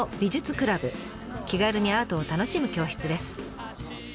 気軽にアートを楽しむ教室です。